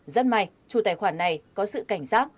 rất may chủ tài khoản này có sự cảnh giác